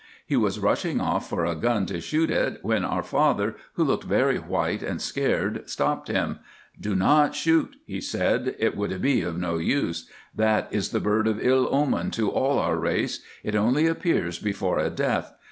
He was rushing off for a gun to shoot it, when our father, who looked very white and scared, stopped him. 'Do not shoot,' he said, 'it would be of no use. That is the bird of ill omen to all our race, it only appears before a death.